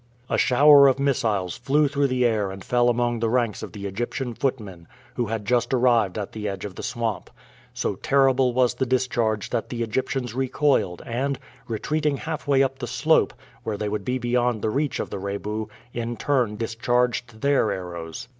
A shower of missiles flew through the air and fell among the ranks of the Egyptian footmen who had just arrived at the edge of the swamp. So terrible was the discharge that the Egyptians recoiled and, retreating halfway up the slope, where they would be beyond the reach of the Rebu, in turn discharged their arrows.